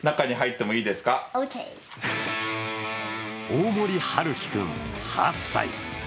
大森陽生君８歳。